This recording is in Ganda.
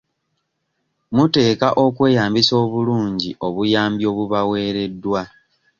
Muteekwa okweyambisa obulungi obuyambi obubaweereddwa.